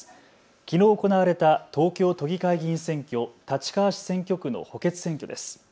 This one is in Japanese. きのう行われた東京都議会議員選挙立川市選挙区の補欠選挙です。